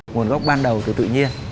nguồn gốc ban đầu từ tự nhiên